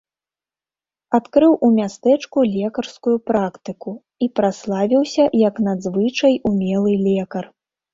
Адкрыў у мястэчку лекарскую практыку і праславіўся як надзвычай умелы лекар.